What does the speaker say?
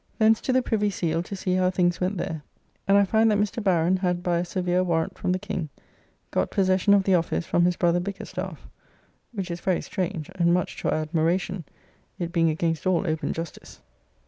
Thence to the Privy Seal to see how things went there, and I find that Mr. Baron had by a severe warrant from the King got possession of the office from his brother Bickerstaffe, which is very strange, and much to our admiration, it being against all open justice.